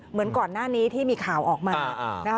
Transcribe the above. เหมือนก่อนหน้านี้ที่มีข่าวออกมานะคะ